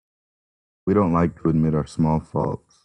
We don't like to admit our small faults.